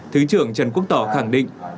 thứ trưởng trần quốc tỏ khẳng định